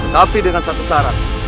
tapi dengan satu syarat